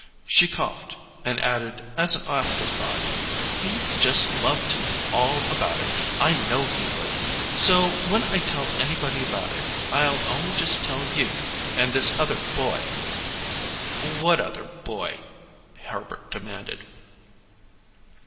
She coughed, and added as by an afterthought, "He'd just love to know all about it; I know he would. So, when I tell anybody about it I'll only tell just you and this other boy." "What other boy?" Herbert demanded.